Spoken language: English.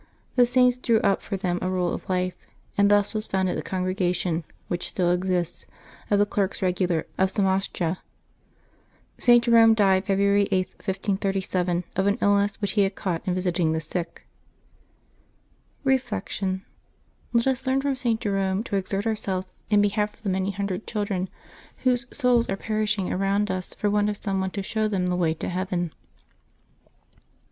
The Saint drew up for them a rule of life and thus was founded the Congrega tion, which still exists, of the Clerks Eegular of Somascha. St. Jerome died February 8, 1537, of an illness which he had caught in visiting the sick. July 21] LIVES OF THE SAINTS 257 Reflection. — Let us learn from St. Jerome to exert our selves in behalf of the many hundred children whose souls are perishing around us for want of some one to show them the way to heaven.